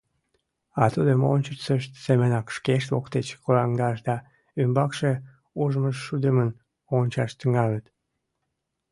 А тудым ончычсышт семынак шкешт воктеч кораҥдаш да ӱмбакше ужмышудымын ончаш тӱҥалыт.